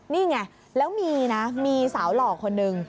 นี่ไงแล้วมีนะมีสาวหล่อคนนึง